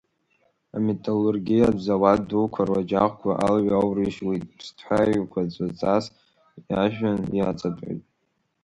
Аметаллургиатә зауад дуқәа руаџьаҟқәа алҩа аурыжьуеит, ԥсҭҳәа еиқәаҵәаҵас ажәҩан иаҵатәоит.